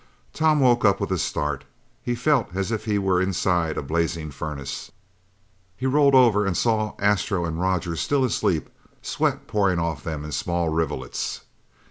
Tom woke up with a start. He felt as if he were inside a blazing furnace. He rolled over and saw Astro and Roger still asleep, sweat pouring off them in small rivulets.